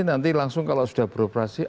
nanti langsung kalau sudah beroperasi